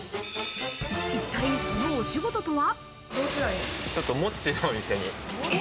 一体そのお仕事とは？